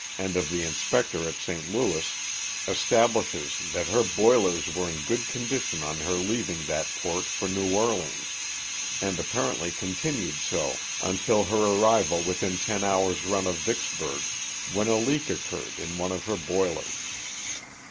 and of the inspector at St. Louis, establishes that her boilers were in good condition on her leav ing that port for New Orleans, and apparently continued so until her arrival within ten hours run of Vicksburg, when a leak occurred in one of her boilers.